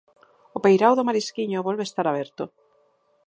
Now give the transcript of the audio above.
O peirao do Marisquiño volve estar aberto.